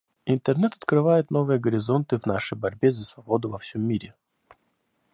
Интернет открывает новые горизонты в нашей борьбе за свободу во всем мире.